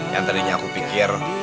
yang tadinya aku pikir